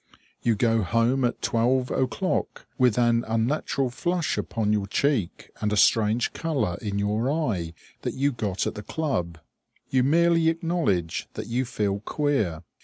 You go home at twelve o'clock with an unnatural flush upon your cheek and a strange color in your eye that you got at the club. You merely acknowledge that you feel queer.